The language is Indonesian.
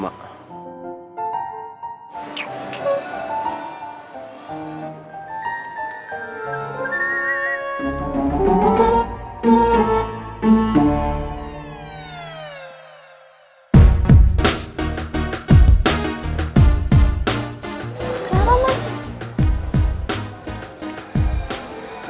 ntar ntar mak